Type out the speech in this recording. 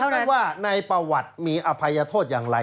กันว่าในประวัติมีอภัยโทษอย่างไร